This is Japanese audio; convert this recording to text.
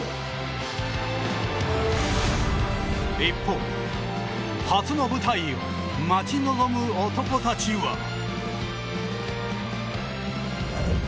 一方、初の舞台を待ち望む男たちは。